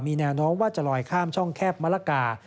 มีแนวโน้มว่าจะลอยข้ามช่องแคบมะละกา